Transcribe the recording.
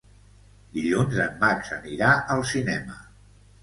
Dilluns en Max anirà al cinema.